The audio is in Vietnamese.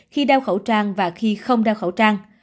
khi đeo khẩu trang và khi không đeo khẩu trang